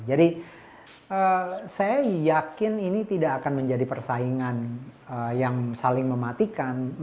jadi saya yakin ini tidak akan menjadi persaingan yang saling mematikan